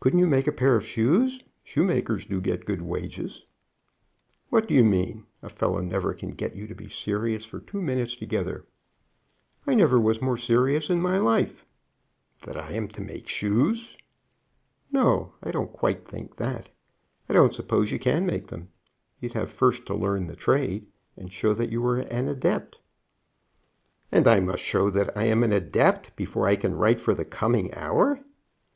"Couldn't you make a pair of shoes? Shoemakers do get good wages." "What do you mean? A fellow never can get you to be serious for two minutes together. "I never was more serious in my life." "That I am to make shoes?" "No, I don't quite think that. I don't suppose you can make them. You'd have first to learn the trade and show that you were an adept." "And I must show that I am an adept before I can write for The Coming Hour."